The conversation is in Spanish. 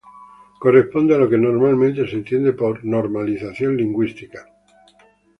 Corresponde a lo que normalmente se entiende por "Normalización lingüística".